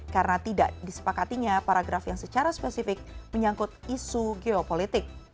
karena tidak disepakatinya paragraf yang secara spesifik menyangkut isu geopolitik